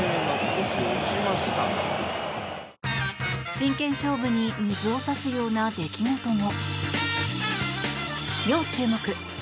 真剣勝負に水を差すような出来事も。